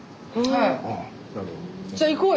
はい。